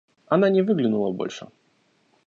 Она не выглянула больше.